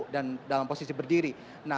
dan dalam posisi berdiri